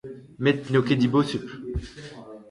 Met n'eo ket dibosupl.